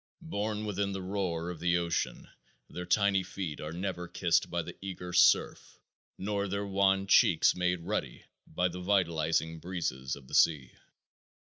Born within the roar of the ocean their tiny feet are never kissed by the eager surf, nor their wan cheeks made ruddy by the vitalizing breezes of the sea.